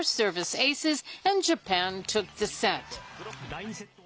第１セット。